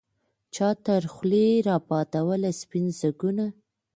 چا تر خولې را بادوله سپین ځګونه